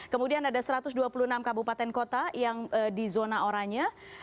kemudian ada satu ratus dua puluh enam kabupaten kota yang di zona oranye